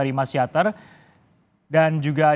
ya baik francisco dan juga saudara